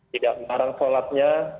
tidak melarang solatnya